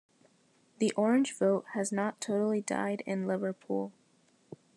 The "orange vote" has not totally died in Liverpool.